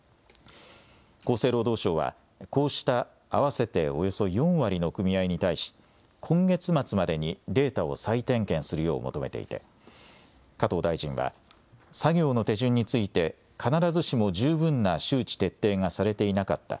厚生労働省は、こうした合わせておよそ４割の組合に対し、今月末までにデータを再点検するよう求めていて、加藤大臣は、作業の手順について、必ずしも十分な周知徹底がされていなかった。